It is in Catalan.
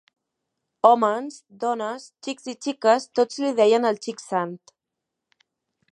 Hòmens, dones, xics i xiques, tots li deien el xic sant.